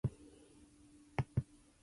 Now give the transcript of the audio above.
"War Is Peace" was featured in "Frostbiten".